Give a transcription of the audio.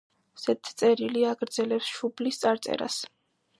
ზედწერილი აგრძელებს შუბლის წარწერას.